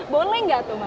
boleh gak tuh bang